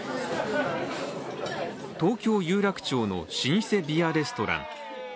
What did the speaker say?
東京・有楽町の老舗ビアレストラン。